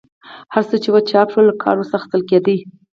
هر څه چې وو چاپ شول او کار ورڅخه اخیستل کېدی.